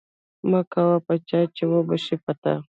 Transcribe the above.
مکوه په چا چی اوبشی په تا